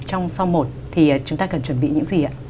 trong sau một thì chúng ta cần chuẩn bị những gì ạ